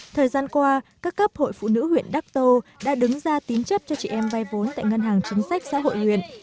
thời gian qua các cấp hội phụ nữ huyện đắc tô đã đứng ra tín chấp cho chị em vay vốn tại ngân hàng chính sách xã hội huyện